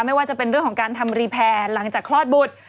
ไม่ว่าจะเป็นเรื่องของการทำรีแพรหลังจากคลอดบุตร